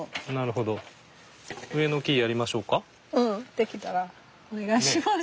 できたらお願いします。